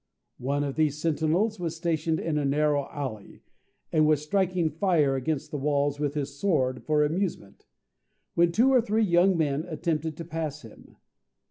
One of these sentinels was stationed in a narrow alley, and was striking fire against the walls with his sword, for amusement, when two or three young men attempted to pass him.